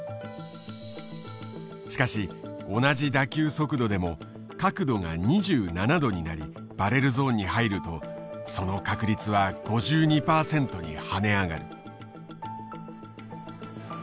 しかし同じ打球速度でも角度が２７度になりバレルゾーンに入るとその確率は５２％に跳ね上がる。